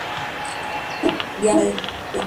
Wu y al.